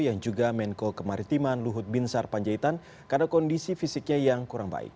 yang juga menko kemaritiman luhut binsar panjaitan karena kondisi fisiknya yang kurang baik